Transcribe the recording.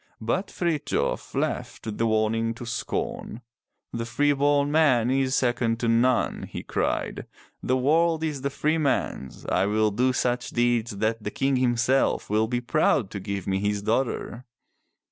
But Frithjof laughed the warning to scorn. "The free born man is second to none," he cried. "The world is the freeman's. I will do such deeds that the King himself will be proud to give me his daughter."